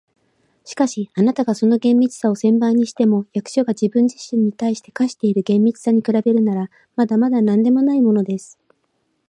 「しかし、あなたがその厳密さを千倍にしても、役所が自分自身に対して課している厳密さに比べるなら、まだまだなんでもないものです。